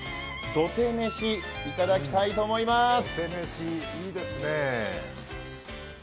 どて飯、いただきたいと思います。